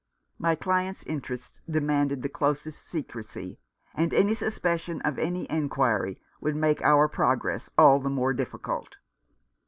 My client's interests demanded the closest secrecy, and any suspicion of an inquiry would make our progress all the more difficult.